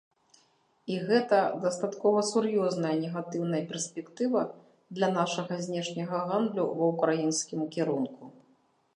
І гэта дастаткова сур'ёзная негатыўная перспектыва для нашага знешняга гандлю ва ўкраінскім кірунку.